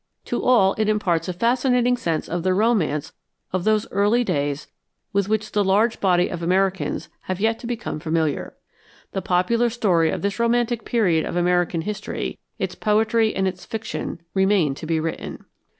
To all it imparts a fascinating sense of the romance of those early days with which the large body of Americans have yet to become familiar. The popular story of this romantic period of American history, its poetry and its fiction remain to be written.